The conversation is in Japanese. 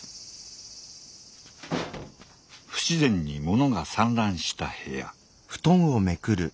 不自然に物が散乱した部屋。